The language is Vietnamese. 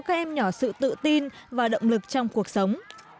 các em nhỏ sự tự tin và động lực trong cuộc sống